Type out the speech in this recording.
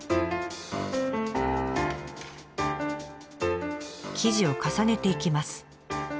生地を重ねていきます。